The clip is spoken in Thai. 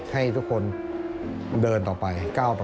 ให้ทุกคนเดินต่อไปเก้าต่อไป